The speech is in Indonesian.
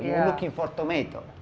kamu mencari tomat